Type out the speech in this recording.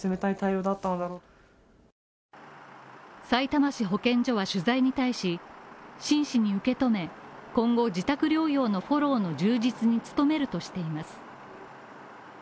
さいたま市保健所は取材に対し真摯に受けとめ今後自宅療養のフォローの充実に努めるとしています。